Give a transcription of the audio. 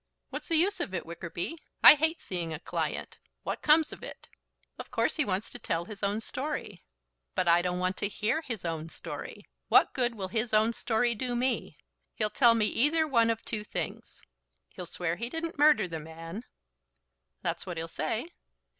"What's the use of it, Wickerby? I hate seeing a client. What comes of it?" "Of course he wants to tell his own story." "But I don't want to hear his own story. What good will his own story do me? He'll tell me either one of two things. He'll swear he didn't murder the man " "That's what he'll say."